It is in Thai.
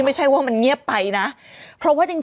ไม่ใช่ว่ามันเงียบไปนะเพราะว่าจริง